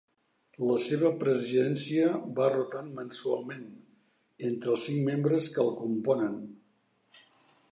La seva presidència va rotant mensualment entre els cinc membres que el componen.